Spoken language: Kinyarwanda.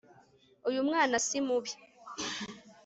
uyu mwana si mubi